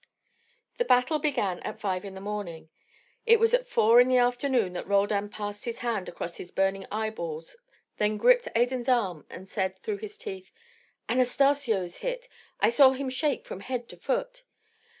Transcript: The battle began at five in the morning. It was at four in the afternoon that Roldan passed his hand across his burning eyeballs, then gripped Adan's arm and said through his teeth, "Anastacio is hit. I saw him shake from head to foot."